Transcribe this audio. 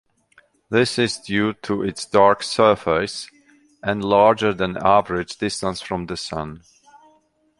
This is due to its dark surface and larger-than-average distance from the Sun.